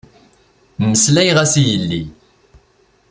Meslayeɣ-as i yelli.